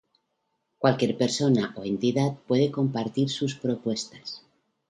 Cualquier persona o entidad puede compartir sus propuestas.